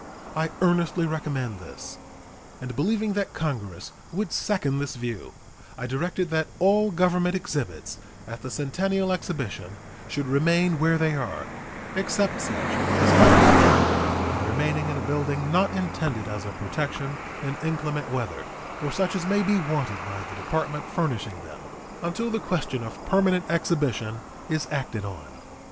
I earnestly recommend this; and believing that Congress would second this view, I directed that all Government exhibits at the Centennial Exhibition should remain where they are, except such as might be injured by remaining in a building not intended as a protection in inclement weather, or such as may be wanted by the Department furnishing them, until the question of permanent exhibition is acted on.